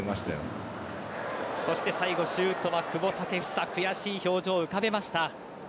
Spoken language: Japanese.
最後、シュートは久保建英悔しい表情を浮かべました。